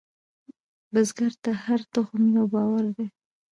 بزګر ته هره تخم یو باور دی